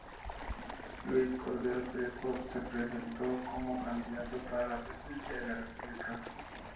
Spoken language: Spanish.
Luis Cordero Crespo se presentó como candidato para la Presidencia de la República.